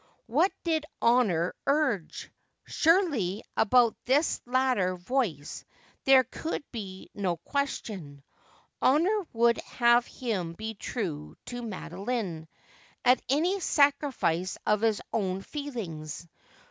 What did Honour urge ? Surely about this latter voice there could be no question. Honour would have him be true to Madoline, at any sacrifice of his own feel ings.